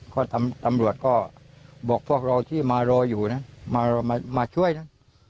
ก็ตำรวจก็บอกพวกเราที่มารออยู่นะมาช่วยนะ